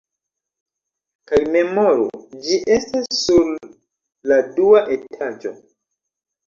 Kaj memoru, ĝi estas sur la dua etaĝo.